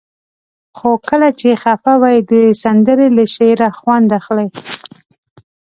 خو کله چې خفه وئ د سندرې له شعره خوند اخلئ.